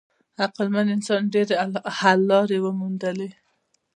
عقلمن انسان ډېرې حل لارې وموندلې.